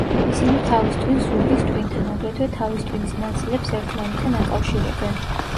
ისინი თავის ტვინს ზურგის ტვინთან, აგრეთვე თავის ტვინის ნაწილებს ერთმანეთთან აკავშირებენ.